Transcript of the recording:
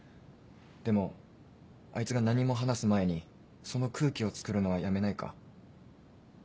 でもあいつが何も話す前にその空気をつくるのはやめないか？